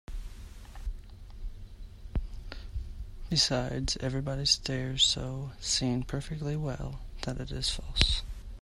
Besides, everybody stares so, seeing perfectly well that it is false.